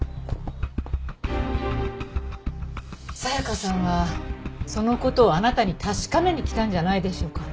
紗香さんはその事をあなたに確かめに来たんじゃないでしょうか？